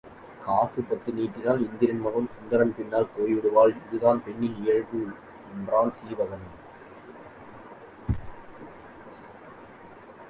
காசு பத்து நீட்டினால் இந்திரன் மகளும் சுந்தரன் பின்னால் போய்விடுவாள் இதுதான் பெண்ணின் இயல்பு என்றான் சீவகன்.